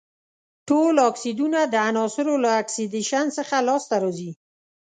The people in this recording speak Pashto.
ټول اکسایدونه د عناصرو له اکسیدیشن څخه لاس ته راځي.